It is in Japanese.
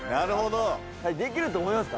できる思いますか？